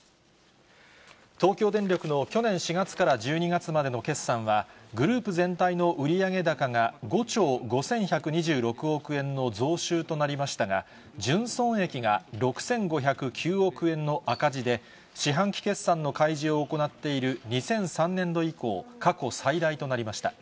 東京電力の去年４月から１２月までの決算は、グループ全体の売上高が５兆５１２６億円の増収となりましたが、純損益が６５０９億円の赤字で、四半期決算の開示を行っている２００３年度以降、過去最大となりました。